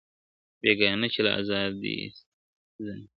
یېګانه چي له آزادي زندګۍ سي ,